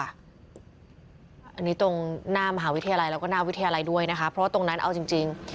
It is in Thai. อันนี้ตรงหน้ามหาวิทยาลัยแล้วก็หน้าวิทยาลัยด้วยนะคะเพราะว่าตรงนั้นเอาจริง